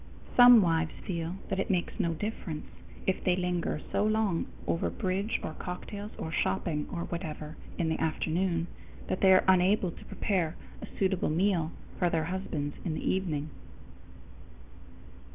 _ Some wives feel that it makes no difference if they linger so long over bridge or cocktails or shopping or whatever in the afternoon that they are unable to prepare a suitable meal for their husbands in the evening.